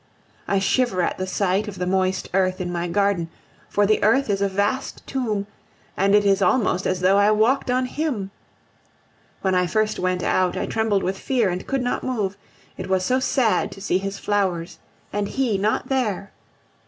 I shiver at the sight of the moist earth in my garden, for the earth is a vast tomb, and it is almost as though I walked on him! When I first went out, I trembled with fear and could not move. It was so sad to see his flowers, and he not there!